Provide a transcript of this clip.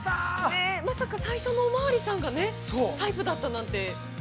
まさか最初のおまわりさんがタイプだったなんて。